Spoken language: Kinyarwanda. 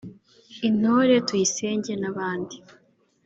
Intore Tuyisenge n’abandi